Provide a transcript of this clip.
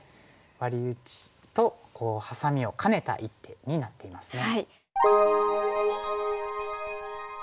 ワリ打ちとハサミを兼ねた一手になっていますね。